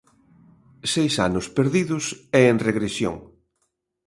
Seis anos perdidos e en regresión.